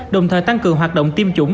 đồng thời tăng cường hoạt động tiêm chủng